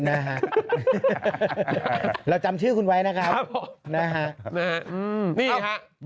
นะฮะเราจำชื่อคุณไว้นะครับนะฮะนี่ฮะ